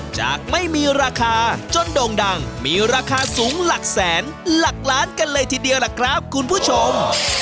จากไม่มีราคาจนโด่งดังมีราคาสูงหลักแสนหลักล้านกันเลยทีเดียวล่ะครับคุณผู้ชม